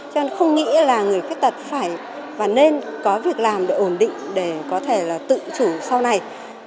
cho nên không nghĩ là người khuyết tật phải và nên có việc làm để ổn định để có thể là tự chủ sau này